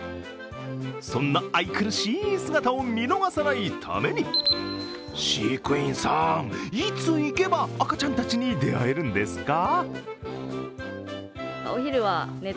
そんな愛くるしい姿を見逃さないために飼育員さん、いつ行けば赤ちゃんたちに出会えるんですか。